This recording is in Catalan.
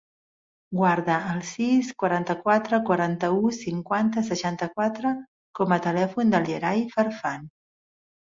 Guarda el sis, quaranta-quatre, quaranta-u, cinquanta, seixanta-quatre com a telèfon del Yeray Farfan.